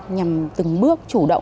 nhằm từng bước chủ động